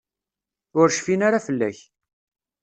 Ur cfin ara fell-ak.